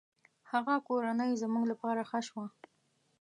هغه کورنۍ زموږ له پاره ښه شوه.